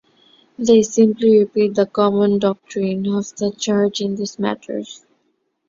They simply repeat the common doctrine of the Church in these matters.